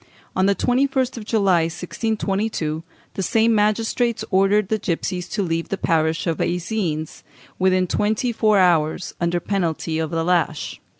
On the 21st of July, 1622, the same magistrates ordered the gipsies to leave the parish of Eysines within twenty four hours, under penalty of the lash.